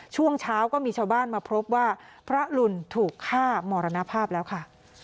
ช่วงเช้าก็มีชาวบ้านมาพบว่าพระลุนถูกฆ่ามรณภาพแล้วค่ะ